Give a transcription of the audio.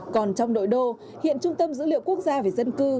còn trong nội đô hiện trung tâm dữ liệu quốc gia về dân cư